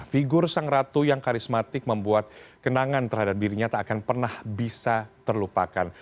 figur sang ratu yang karismatik membuat kenangan terhadap dirinya tak akan pernah bisa terlupakan